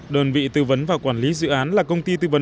đơn vị tư vấn và quản lý dự án là công ty tư vấn